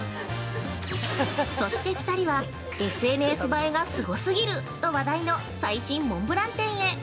そして２人は、ＳＮＳ映えがすごすぎると話題の最新モンブラン店へ！